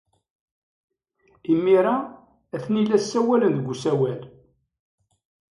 Imir-a, atni la ssawalen deg usawal.